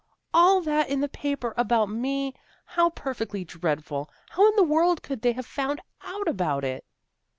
" All that in the paper about me? How per fectly dreadful! How in the world could they have found out about it?